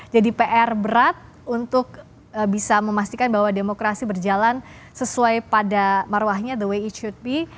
jadi pr berat untuk bisa memastikan bahwa demokrasi berjalan sesuai pada maruahnya the way it should be